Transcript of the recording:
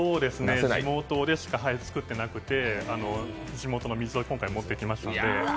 地元でしか作ってなくて地元の水を今回持ってきましたので。